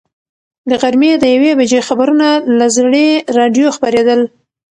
د غرمې د یوې بجې خبرونه له زړې راډیو خپرېدل.